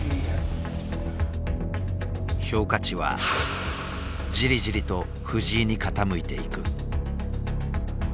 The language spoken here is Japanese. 評価値はじりじりと藤井に傾いていく。